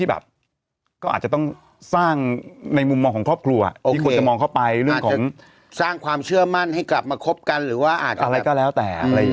อาจจะสร้างความเชื่อมั่นให้กลับมาคบกันหรือว่าอาจจะอะไรก็แล้วแต่อะไรอย่าง